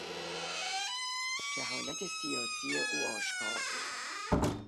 جهالت سیاسی او آشکار بود.